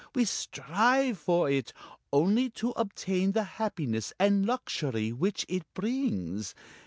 We strive for it, only to obtain the happiness and luxury which it brings.